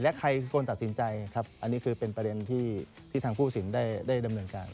และใครคือกว่าตัดสินใจอันนี้ก็เป็นประเด็นที่ทางผู้สินได้ดำเนินกัน